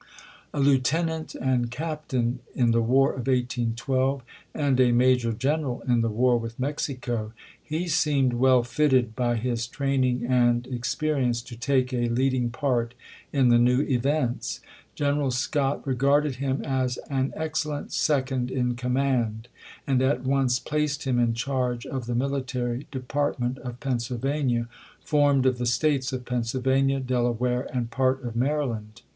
A lieutenant and captain in the war of 1812, and a major gen eral in the war with Mexico, he seemed well fitted by his training and experience to take a leading part in the new events. General Scott regarded him as " an excellent second in command," and at once placed him in charge of the military " Depart ment of Pennsylvania," formed of the States of Pennsylvania, Delaware, and part of Maryland.